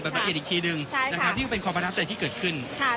แบบรายละเอียดอีกทีหนึ่งใช่ค่ะที่เป็นความประทับใจที่เกิดขึ้นค่ะ